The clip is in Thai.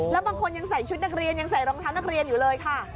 แล้วบางคนยังใส่ชุดนักเรียนยังใส่รองเท้านักเรียนอยู่เลยค่ะ